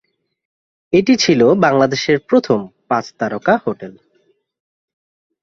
এটি ছিল বাংলাদেশের প্রথম পাঁচ তারকা হোটেল।